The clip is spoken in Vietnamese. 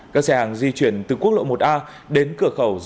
các xe hàng di chuyển từ quốc lộ một a đến cửa khẩu